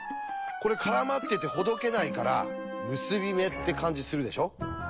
これ絡まっててほどけないから結び目って感じするでしょ？